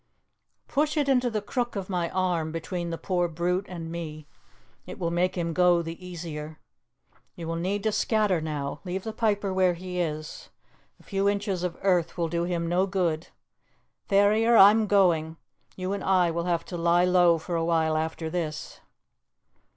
push it into the crook of my arm between the poor brute and me. It will make him go the easier. You will need to scatter now. Leave the piper where he is. A few inches of earth will do him no good. Ferrier, I am going. You and I will have to lie low for awhile after this."